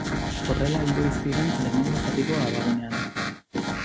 Horrela heldu ziren lehenengo zatiko abagunean.